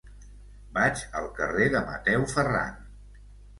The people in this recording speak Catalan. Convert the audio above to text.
Vaig al carrer de Mateu Ferran.